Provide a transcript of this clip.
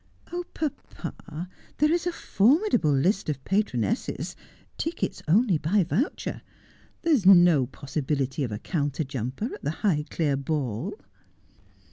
' Oh, papa, there is a formidable list of patronesses ; tickets only by voucher. There's no possibility of a counterjumper at the Highclere ball.'